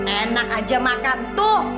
enak aja makan tuh